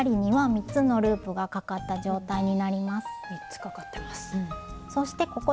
３つかかってます。